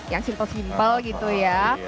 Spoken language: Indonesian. yang simple simple gitu ya